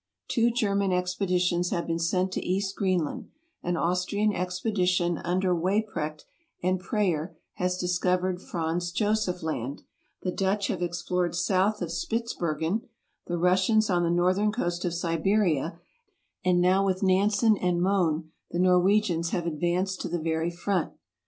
Two German ex peditions have been sent to East Greenland, an Austrian expedition under Weyprecht and Preyer has discovered Franz Joseph Land, the Dutch have explored south of Spitz bergen, the Russians on the northern coast of Siberia, and now with Nansen and Mohn the Norwegians have advanced to the very front.